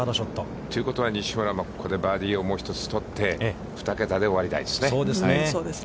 ということは西村もここでバーディーを取って、２桁で終わりたいですね。